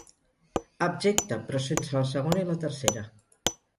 Abjecta, però sense la segona i la tercera.